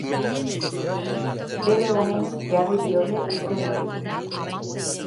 Bere omenez jarri diote izen hori.